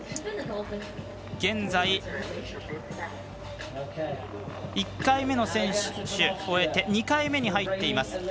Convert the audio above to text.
現在、１回目を終えて２回目に入っています。